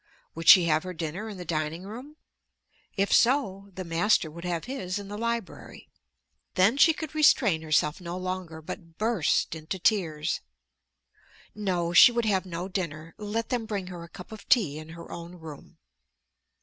Would she have her dinner in the dining room? If so, the master would have his in the library. Then she could restrain herself no longer, but burst into tears. No; she would have no dinner. Let them bring her a cup of tea in her own room.